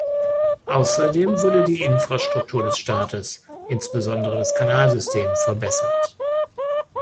Außerdem wurde die Infrastruktur des Staates, insbesondere das Kanalsystem, verbessert.